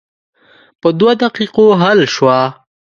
په دوه دقیقو حل شوه.